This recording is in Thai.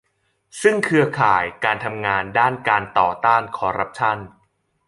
ซึ่งเครือข่ายการทำงานด้านการต่อต้านคอร์รัปชั่น